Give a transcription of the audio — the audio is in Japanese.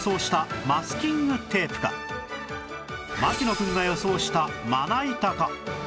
槙野くんが予想したまな板か